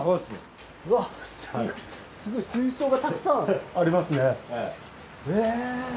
うわすごい水槽がたくさんありますねへ。